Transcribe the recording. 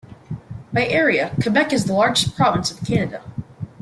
By area, Quebec is the largest province of Canada.